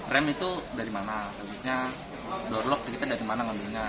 rem itu dari mana selanjutnya download ke kita dari mana ngambilnya